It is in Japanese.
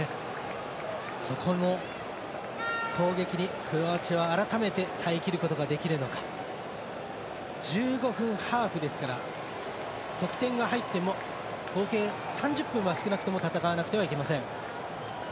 そこの攻撃にクロアチアは改めて耐えきることができるのか１５分ハーフですから得点が入っても合計３０分は少なくとも戦わなくてはなりません。